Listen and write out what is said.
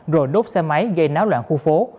rồi đốt xe máy gây náo loạn khu phố